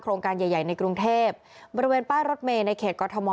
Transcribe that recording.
การใหญ่ใหญ่ในกรุงเทพบริเวณป้ายรถเมย์ในเขตกรทม